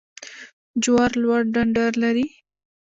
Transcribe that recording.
جوار لوړ ډنډر لري